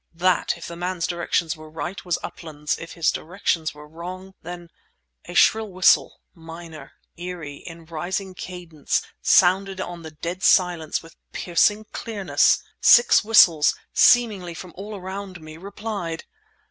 That, if the man's directions were right, was "Uplands"—if his directions were wrong—then... A shrill whistle—minor, eerie, in rising cadence—sounded on the dead silence with piercing clearness! Six whistles—seemingly from all around me—replied!